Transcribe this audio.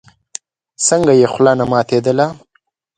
څنگه يې خوله نه ماتېدله.